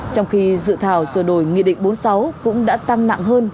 trong khi dự thảo sửa đổi nghị định bốn mươi sáu cũng đã tăng nặng hơn